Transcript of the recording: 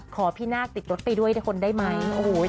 ขอพี่นาคติดรถไปด้วยทุกคนได้ไหม